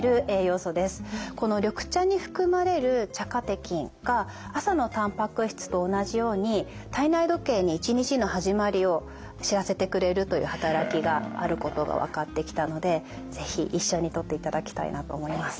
この緑茶に含まれる茶カテキンが朝のたんぱく質と同じように体内時計に一日の始まりを知らせてくれるという働きがあることが分かってきたので是非一緒にとっていただきたいなと思います。